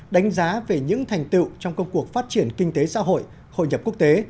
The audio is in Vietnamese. đánh giá về những thành tựu trong công cuộc phát triển kinh tế xã hội hội nhập quốc tế